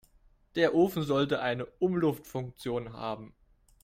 Der Ofen sollte eine Umluftfunktion haben.